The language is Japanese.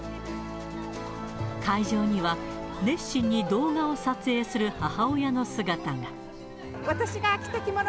会場には、熱心に動画を撮影する母親の姿が。